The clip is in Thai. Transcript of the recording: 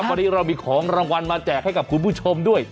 วันนี้เรามีของรางวัลมาแจกให้กับคุณผู้ชมด้วย